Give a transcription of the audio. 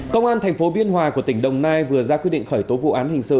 công an thành phố biên hòa của tỉnh đồng nai vừa ra quyết định khởi tố vụ án hình sự